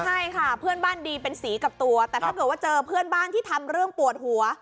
ใช่ค่ะเพื่อนบ้านดีเป็นสีกับตัวแต่ถ้าเกิดว่าเจอเพื่อนบ้านที่ทำเรื่องปวดหัว